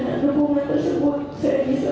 demi komentar semua saya bisa